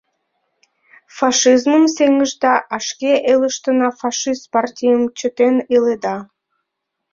— Фашизмым сеҥышда, а шке элыштына фашист партийым чытен иледа.